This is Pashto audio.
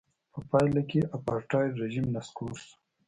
په پایله کې اپارټایډ رژیم نسکور شو.